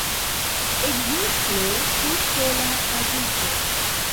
Ekzemple por pola traduko.